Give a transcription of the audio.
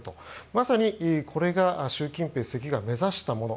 まさに、これが習近平主席が目指したもの。